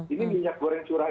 ini minyak goreng curah